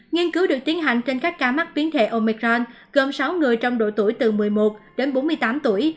nghiên cứu được tiến hành trên các ca mắc biến thể omicron gồm sáu người trong độ tuổi từ một mươi một đến bốn mươi tám tuổi